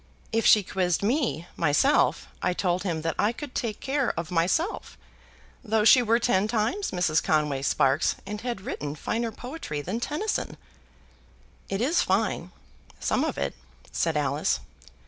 If she quizzed me, myself, I told him that I could take care of myself, though she were ten times Mrs. Conway Sparkes, and had written finer poetry than Tennyson." "It is fine; some of it," said Alice.